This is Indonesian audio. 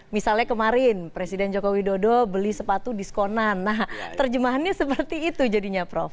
misalnya kemarin presiden joko widodo beli sepatu diskonan nah terjemahannya seperti itu jadinya prof